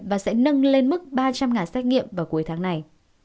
và sẽ nâng lên mức ba trăm linh xét nghiệm vào cuối tháng này